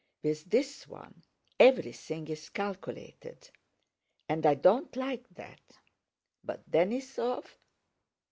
with this one everything is calculated, and I don't like that. But Denísov..."